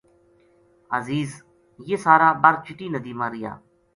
عزیز یہ سارا بر چٹی ندی ما رہیا